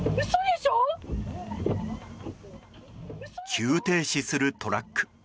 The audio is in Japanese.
急停止するトラック。